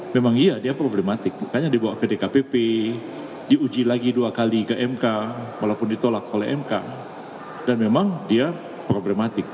memang iya dia problematik makanya dibawa ke dkpp diuji lagi dua kali ke mk walaupun ditolak oleh mk dan memang dia problematik